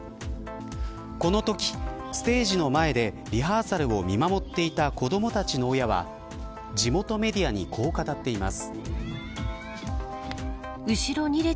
このときステージの前でリハーサルを見守っていた子どもたちの親は地元メディアにこう語っています。